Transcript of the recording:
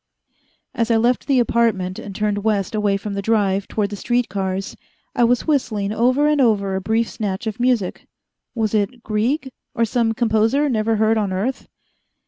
As I left the apartment, and turned west away from the Drive, toward the street cars, I was whistling over and over a brief snatch of music. Was it Grieg? Or some composer never heard on earth?